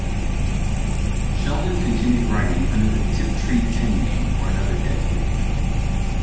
Sheldon continued writing under the Tiptree pen name for another decade.